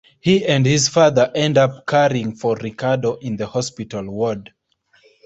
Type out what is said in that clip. He and his father end up caring for Ricardo in the hospital ward.